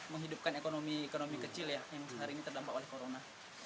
menghidupkan ekonomi ekonomi kecil ya yang hari ini terdampak oleh corona